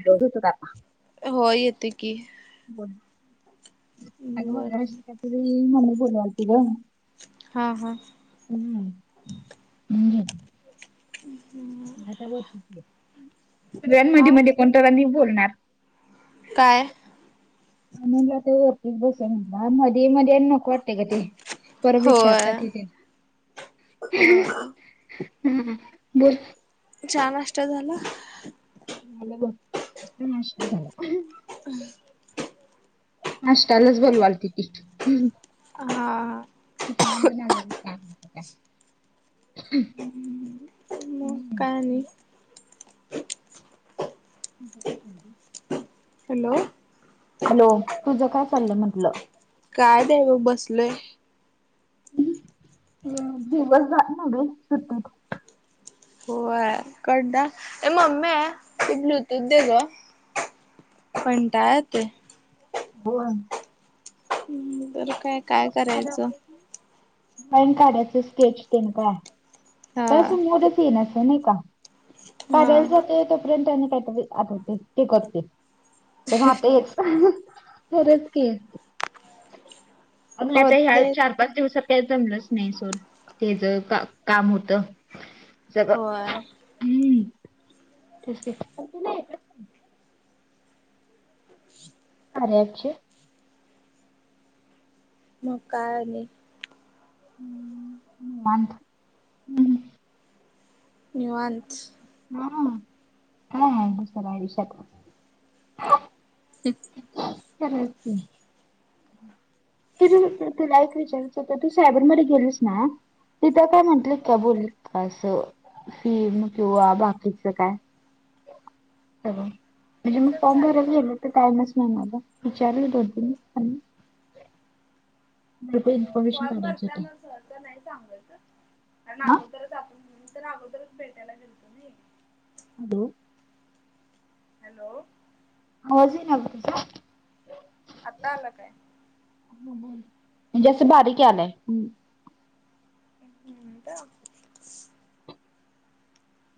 अडत का? हो येते की ब अ बर मशी कातरी मम्मी बोलाय त ग. हा हा. हम् म्हज. ह हम्. आता बोल सगळ्यां हा मध्ये मध्ये कोणत पण नाही बोलणार. काय? म्हण ते वरती बस म्हट मध्ये मध्ये नक. कोणते ग ते पोर विचारतात होय ते होय ह बोल. छ नष्ट झाला. आता नाशका झाला. हम्. अष्ट अलच बोलवालतिती हम्म. हां जर का का. मग काणी. कजी. हॅलो! हॅलो तुझं काय चाललंय म्हंटलं. काय दव बसलय. दिवस न सुट्टत. हो कड ए मम हे ब्लुतूथ दे ग. पणताय ते. हो. हम्म. दिवला ड्रॉइंग काढाच स्केच पेन काढ. हा बस मोठच ये न अस नाही का हा साडेल ज ते य काहीतरी आठवते ते करते आता. खरंच के. म् आता होत ह नाही चार. पाच दिवसा प जमलंच नाही सोल तेच का काम होत. जग होय हम्म क आहे. अरे अक्ष. मग काय नाही. ् वा. नि्यवांस. हा हा सर आहेड सर. एक. [unintelligible] कि तू तुला एक विचारयच तर तू साहेबरमध्येध्ये गेलस ना. तिथ काय म्हटलेत का बोल का असं. फिर किववा बाकी शकाय. म्हणजे मग फॉर्म भरायला गेल तर टाइमच नाही मला विचारू दोन तीन. [unintelligible] फॉर्म काढायची भरता होती न सर. नाही सांगायच हा अगोदरच जातून घे तर अगोदरच भेटायला भेलतो ना. अ. हॅलो! मज आहे ना ग तुझं आता आलं काय. जेस बारी क आलाय. [unintelligible]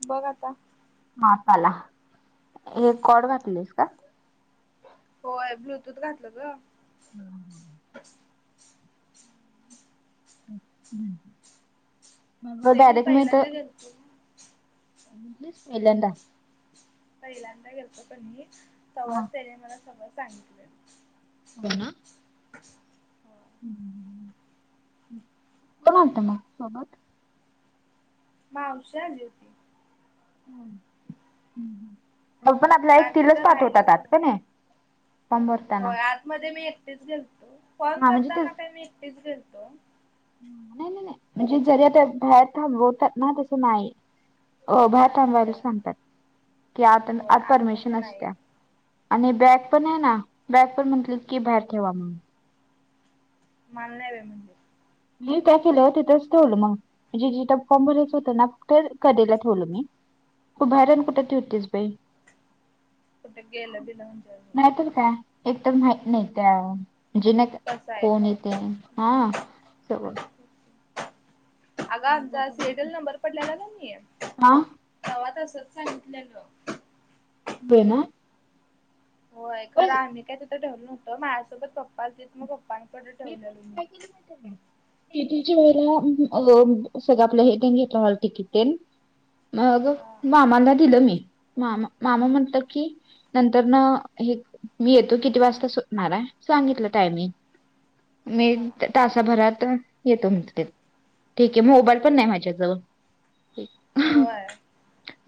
बघ आता. हपाला हे कोॉड वाटलीस का. होय ब्लूटूथ घातलं ग. हम हम. म वैदक म तर. [unintelligible] चमेलड. पहिल्यांदा घतो पण मी हा सवाज त्याने मला सग सांगितलं. हो ना. कोण म्हत मग सोबत. म उषा जे होती. पण आपल्या एक तिलाच पाठवतातात का नाही फॉर्म भरताना होय आतमध्येध्ये मी एकटीच गेलतो फोन हा म्हणजे ते करताना काय मी एकटीच गेलतो नाही नाही नाही म्हणजे जरी्या त्या भयात थबवतात ना तसं नाही. हो भात आबायला सांगतात. कि आता आज परमिशन असत्या आणि बॅग पण आहे ना. बॅसप म्हटल की बाहेर ठेवा मग. म नाही वे म्ह. मी त्या केलं हो तिथच तोल मग. म्हणजे जिथ फॉमबरयच होत ना फक्त केला ठेवलं मी. खूभयारण कुठ त होतेस बाई नाहीतर काय. एकदम माह नाही त्याजे नाही कोण येते हा स. अगा आमचा सिरियल नंबर पडलाला नाही मी हा हवा तसच सांगितल्यालं. ब ना. होय खर आम्ही काय तिथं ठेवल न होत माझसोबत पप्पा त मग पप्पांकड मी पण काय किल भेट आहे. तच्या वेळेला सगळं आपल्या हेट घेतला टिकिटल. मग मामाला दिलं मी मामा मामा म्हटलं की, नंतर न हे मी येतो किती वाजता सुटणार आहे सांगितलं टायमिंग. मी तासाभरात येतो म्हणत ते. ठीक आहे मोबाईल पण नाही माझ्याजवळ. होय.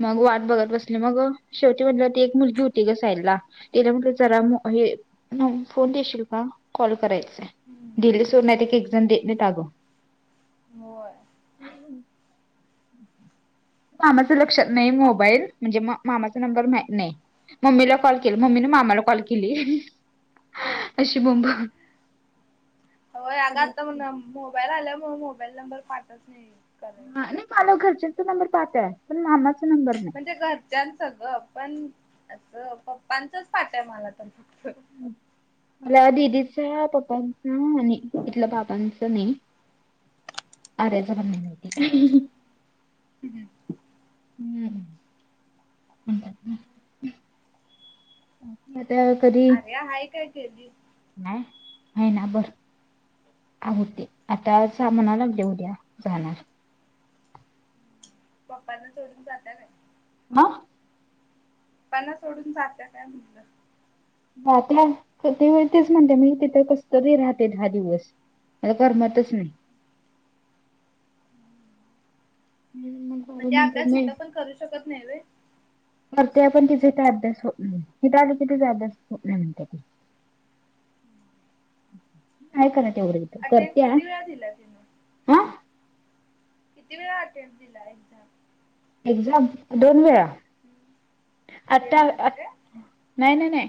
मग वाट बघत बसली मग शेवटी म्हणलं ती एक मुलगी होती ग साईला. गल्या म्हट जरा हे फोन देशील का कॉल करायचय. दिली सोर नाही एक एक्झम देत नाही टागो. होर. मामाचं लक्षात नाही मोबाईल म्हणजे मामाचा नंबर मा नाही. मम्मीला कॉल केले मम्मीने मामाला कॉल केली अशी ब हो अग आता मोबाईल आल्यामुळे मोबाईल नंबर पाठत नाही कराय. नाही माला घरच्यांचा नंबर पाहताय पण मामाचा नंबर नाही. म्हणजे घरच्यां सगळं पण असं पप्पांचच पाठ आहे मला तर फक्त मला दिदीचा पप्पांचा आणि तिथल्या बापांचा. आर्याचा बणती हम् हं. हम्म. ता कधी अरे आहेा काय केली. नाही आहे ना बर. आ होते आता सामाना लागले उद्या जाणार. पप्पांना सोडून जाता काय. म. पना सोडून जाते काय म्हणलं. ता ते व तेच म्हणते मी तिथं कस तरी राहते दहा दिवस. आता कर्मातच नाही. हम्. मग त्या अभ्यास इथं पण करू शकत नाही र. करते पण तिचाथ अद्यास होत नाहीथ तिचा अद्यास होत नाही म्हणत त [unintelligible] काय का ना तेवढं. अटेंड किती वेळा दिलाही. हा किती वेळा अटेम्प दिला एक्झाम. एक्झाम दोन वेळा ह [unintelligible] आता नाही नाही नाही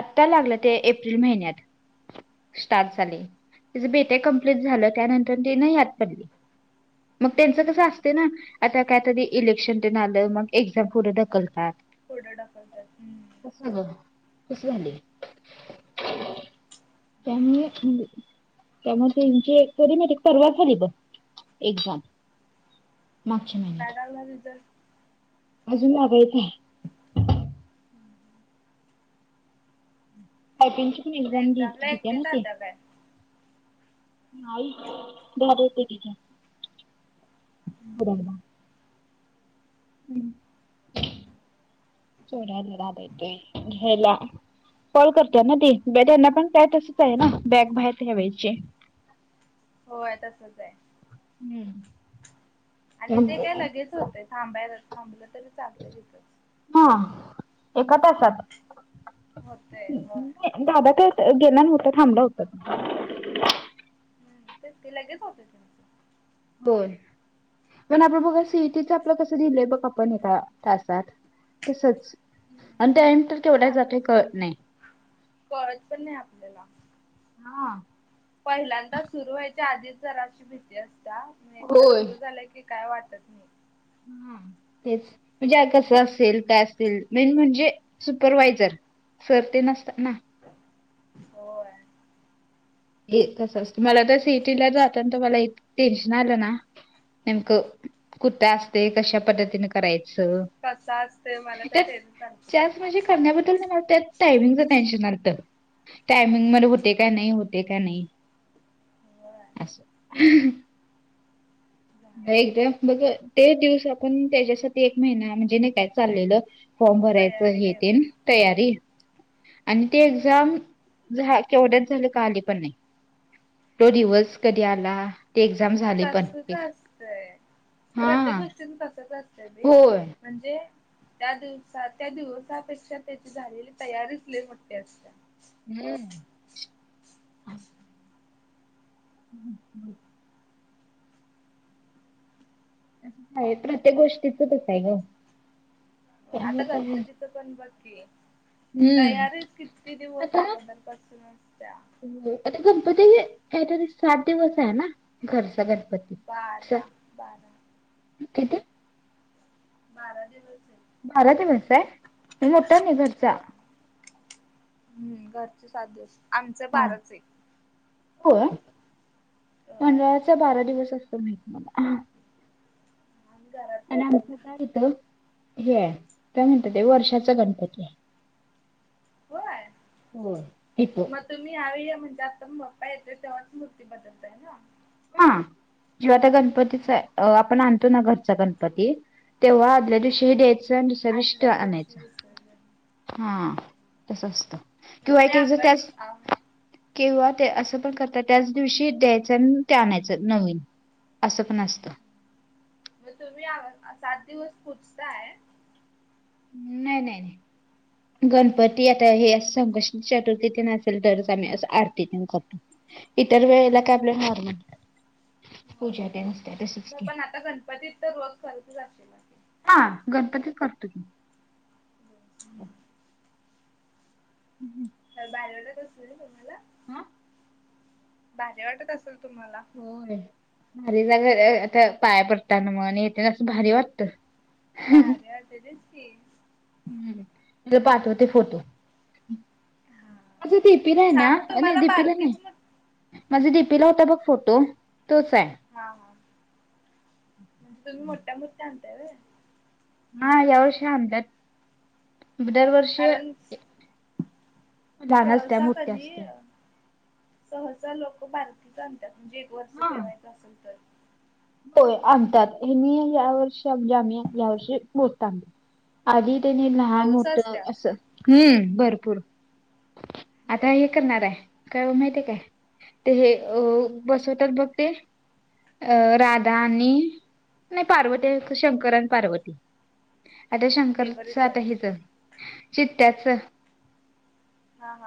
आत्ता लागलं ते एप्रिल महिन्यात स्टार्ट झाले तच बेटे कमप्लीट झालं त्यानंतर ती न याद पडली मग त्यांचं कसं असते ना आता काय तरी इलेक्शन ते ना आलं मग एक्झाम पुढे ढकलतात. पुडं दाखवतात हम्म कस झाले [unintelligible] ह [unintelligible] [inaudible] त्यां [unintelligible] त्यामुळे त्यांची एक वरी मॅटिक परवा झाली बघ एक्झाम. मग पॅडाल ना तरर [unintelligible] अजून लाबायेत हयपीनची पण एक्झाम देते ना ते नाही बहा होते ठीक आहे [unintelligible] चोडला रा आयतयेला [unintelligible] कॉल करतय ना ती ब त्यांना पण का तसच आहे ना बॅग बाहेर ठ्यावायचे. होय तसच आहे. हम्म. आणि ते काय लगेच होतें थांबायला थांबलं तरी चालत तिथं. हा एक तासात होतेय होय. दादा का गेला नव्हता थांबलं होता. हम् तेस लागे पाफेस. होय. पण आपण बघा सिटीच आपलं कसं दिलंय बघ आपण तासात तसच आणि त्या तर तेवढ्या जातय क नाही. कळज पण नाही आपल्याला हा. पहिल्यांदा सुरू व्हायच्या आधीच जरा अशी भीती असता म एकदा होय सुरु झाल्या की काय वाटत मी हा तेच म्हणजे कसं असेल काय असेल मेन म्हणजे सुपरवायझर सर्ती नसतात ना होय. हे कसं असत मला तर सिटीला जात ना तर मला इ टेन्शन आलं ना नेमकं कुठं असते कश्या पद्धतीन करायचं कसा असते मला तर तेल सांगतते ब टमंग टेनमंग हो का नाही होत. ते का नाही असं एकदम बघ ते दिवस आपण त्याच्यासाठी एक महिना म्हणजे नाही काय चाललेलं फॉर्म भरायचं हे ते तयारी आणि ते एक्झाम झा केवढ्याच झाल्या का आली पण नाही. तो दिवस कधी आला ते एक्झाम झाली पण तसच असतंय हा प्रत्येक गोष्टीन तसच असतंय मी होय म्हणजे त्या दिवसा त्या दिवसापेक्षा त्याची झालेली तयारीच ल म्हते अस. हम्म. हम् ब. काय प्रत्येक गोष्टीचच अस आहे ग. हो त्यामुळे आता काय गणपतीचं पण बघकी. हम्म तयारीच किती दिवस अगोदर कूनचत्या. हो आता गणपती कातरी सात दिवस आहे ना घर सगर. किती? बारा दिवस आहे. भाराात आहे म्हणसा आहे म मोठा नाही घरचा. हम्म घरचे सात दिवस आमचं हा बारच आहे. हो मंडळाचा बारा दिवस असतो मामला. आणि आमच काय येत हे काय म्हणत ते वर्षाच गणपती. होय हो हपो. तुम्ही यावेळी या म्हणजे आता पप्पा येतो तेव्हाच मूर्ती बदलताय ना. ह जेव्हा गणपतीच आपण आणतो ना घरचा गणपती तेव्हा. आपल्या दशीही द्यायचं आणि दुसर विष्ट आणायच हा तस असतं. म तुम्ही आक. किं्हा ते असं पण करतात त्याच दिवशी द्यायचं आणि ते आणायचं नवीन. असं पण असतं. मग तुम्ही आ सात दिवस पुूजताय. नाही नाही गणपती आता हे असष्ट. चतुर्थीथ नसेल तरच आम्ही असं आरती प करतो. इतर वेळेला कॅबलेट मारणार. हो तसच ब की पण आता गणपतीत तर रोस लतचेल. हा गणपतीच करतो. हम. हम्. बाहेरलाचसल ना तुम्हाला हं. भाज्या वाटत असेल तुम्हाला होय भारी जागा आता पाया पडतना मण येथ असं भारी वाटत. बाार अस तेच की हम्म तुला पाहठव ते फोटो. माझं दीपीला आहे ना अ दपीला नाही. माझी डी पीला होता बघ फोटो तोच आहे. हा हा तुम्ही मोठ्या मोठ्या आणताय. हा या वर्षी आद दरवर्षे. साखजी. सहजार लोक भारतीत आणतात म्हणजे एक वर्ष हा. ठेवायचं असेल तर. होय आणतात हे म या वर्षी आमज आम्ही या वर्षी बोलत आ. आधी त्याने लहान होत असं हम्म भरपूर आता एक. करणार आहे का माहितीय काय ते हे बसवतात बघते. अ राधा आणि नाही पार्वती शंकर आणि पार्वती. आता शंकरच आता हच चित्त्याच.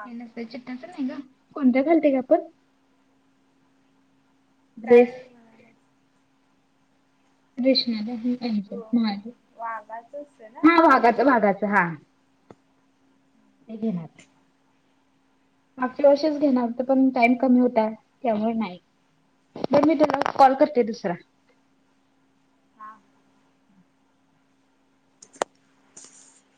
नस चिटच नाही ग कोणत्या घालते का आपण. ड्रेस काय? कृष्णाला हा भागाच भागाच हा. हग नाात. आपले अशेच घेणार तर पण टाइम कमी होता त्यामुळे नाही. बर मी त्याला कॉल करते दुसरा ह.